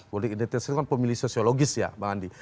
politik identitas itu kan pemilih sosiologis ya bang andi